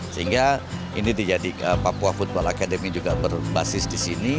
sehingga ini dijadikan papua football academy juga berbasis di sini